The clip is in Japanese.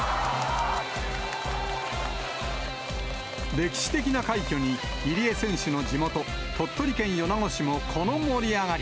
歴史的な快挙に、入江選手の地元、鳥取県米子市もこの盛り上がり。